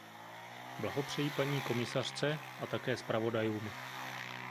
Blahopřeji paní komisařce a také zpravodajům.